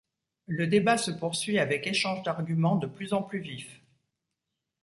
Le débat se poursuit avec échange d’arguments de plus en plus vifs.